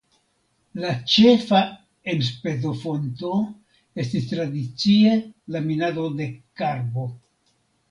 La ĉefa enspezofonto estis tradicie la minado de karbo.